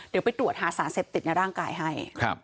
เดี๋ยวไปตรวจหาสารเสพติดในร่างกายให้